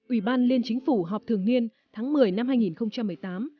ủy ban liên chính phủ họp thường niên tháng một mươi năm hai nghìn một mươi tám